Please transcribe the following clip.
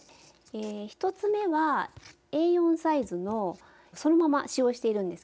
１つ目はＡ４サイズのをそのまま使用してるんですけども。